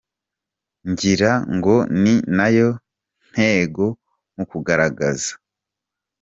Ngira ngo ni nayo ntego mu kugaragaza.